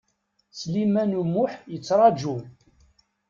Sliman U Muḥ yettraǧu.